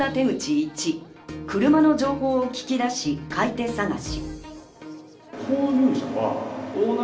１、車の情報を聞き出し、買い手探し。